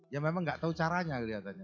ya memang nggak tahu caranya kelihatannya